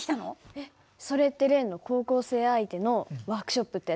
えっそれって例の高校生相手のワークショップってやつ？